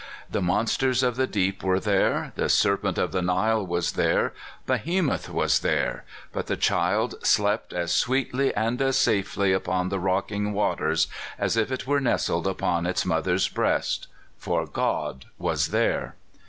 The monsters of the deep were there, the serpent of the Nile was there, behemoth was there, but the child slept as sweetly and as safely upon the rocking waters as if it were nestled upon its mother's breast far God was there!"